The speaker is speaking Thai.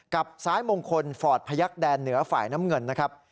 กับซ้ายมงคลฟอร์ดพยักษแดนเหนือฝ่ายน้ำเงินนะครับ